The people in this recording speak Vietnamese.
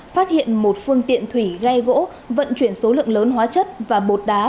phát hiện một phương tiện thủy ghe gỗ vận chuyển số lượng lớn hóa chất và bột đá